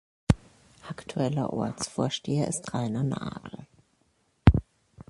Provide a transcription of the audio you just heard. Aktueller Ortsvorsteher ist Rainer Nagel.